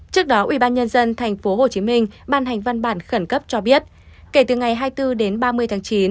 trước đó ubnd tp hcm ban hành văn bản khẩn cấp cho biết kể từ ngày hai mươi bốn đến ba mươi tháng chín